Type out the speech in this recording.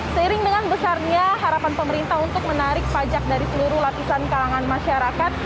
seiring dengan besarnya harapan pemerintah untuk menarik pajak dari seluruh lapisan kalangan masyarakat